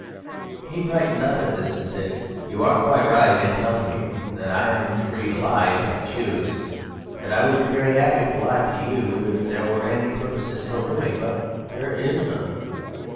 He brightened up at this, and said: "You are quite right in telling me that I am free to lie if I choose, and I would be very happy to lie to you if there were any purpose in so doing, but there is none.